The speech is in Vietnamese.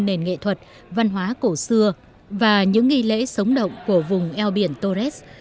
nền nghệ thuật văn hóa cổ xưa và những nghi lễ sống động của vùng eo biển torres